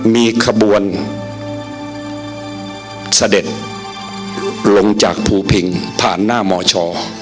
มีขบวนเสด็จลงจากภูพิงผ่านหน้ามช